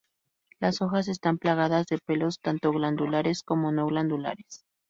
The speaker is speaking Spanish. Las hojas están plagadas de pelos tanto glandulares como no glandulares.